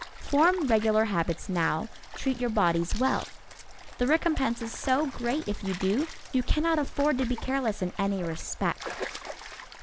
Form regular habits now, treat your bodies well. The recompense is so great if you do, you cannot afford to be careless in any respect.